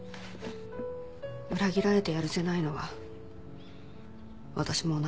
裏切られてやるせないのは私も同じですから。